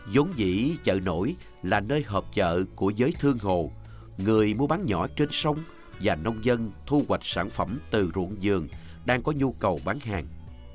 giống dĩ chợ nổi là nơi hợp chợ của giới thương hồ người mua bán nhỏ trên sông và nông dân thu hoạch sản phẩm từ ruộng giường đang có nhu cầu bán hàng